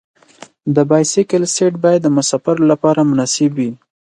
د بایسکل سیټ باید د مسافر لپاره مناسب وي.